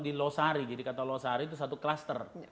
di losari jadi kata losari itu satu klaster